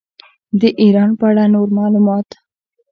د ایران په اړه نور معلومات.